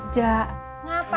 jangan ke jawa